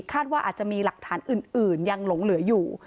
ว่าอาจจะมีหลักฐานอื่นยังหลงเหลืออยู่